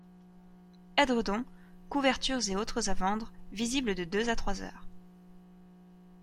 Édredons, couvertures et autres à vendre, visible de deux à trois heures.